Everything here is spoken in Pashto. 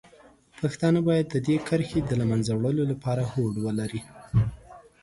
پښتانه باید د دې کرښې د له منځه وړلو لپاره هوډ ولري.